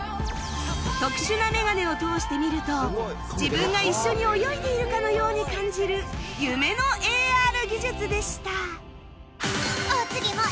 特殊なメガネを通して見ると自分が一緒に泳いでいるかのように感じる夢の ＡＲ 技術でした